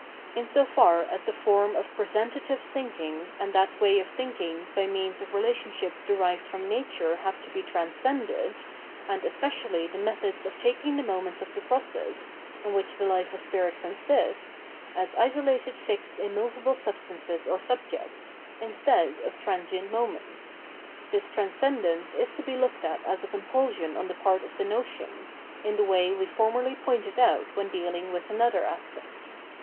In so far as the form of presentative thinking and that way of thinking by means of relationships derived from nature have to be transcended, and especially the method of taking the moments of the process, in which the life of Spirit consists, as isolated fixed immovable substances or subjects, instead of transient moments — ^this trans cendence is to be looked at as a compulsion on the part of the notion, in the way we formerly pointed out when dealing with another aspect.